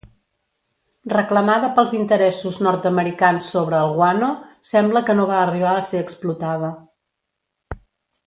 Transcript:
Reclamada pels interessos nord-americans sobre el guano, sembla que no va arribar a ser explotada.